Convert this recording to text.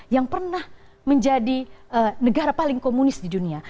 yang pernah menjadi negara paling komunis di dunia